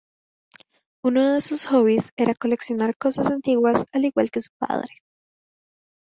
Unos de sus hobbies es coleccionar cosas antiguas, al igual que su padre.